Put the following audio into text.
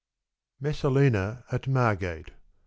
MESSALINA AT MARGATE.